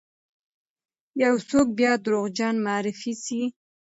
یو څوک بیا دروغجن معرفي سی،